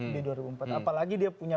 di dua ribu dua puluh empat apalagi dia punya